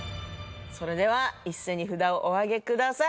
それでは一斉に札をおあげください